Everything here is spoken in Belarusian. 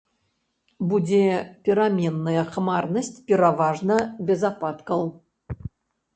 Будзе пераменная хмарнасць, пераважна без ападкаў.